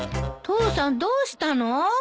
父さんどうしたの？